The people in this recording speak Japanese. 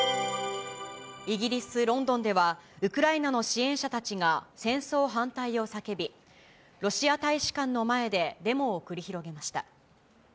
イギリス・ロンドンでは、ウクライナの支援者たちが戦争反対を叫び、ロシア大使館の前でデモを繰り広げました。